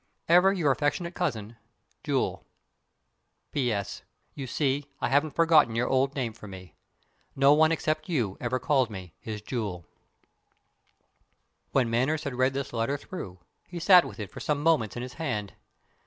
Ever your affectionate cousin, JEWEL. P. S. You see, I haven't forgotten your old name for me. No one except you ever called me his "Jewel." When Manners had read this letter through, he sat with it for some moments in his hand.